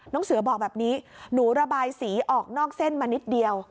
เสือบอกแบบนี้หนูระบายสีออกนอกเส้นมานิดเดียว